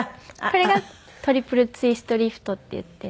これがトリプルツイストリフトっていって。